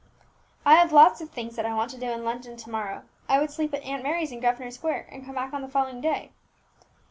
"I have lots of things that I want to do in London to morrow. I would sleep at Aunt Mary's in Grosvenor Square, and come back on the following day."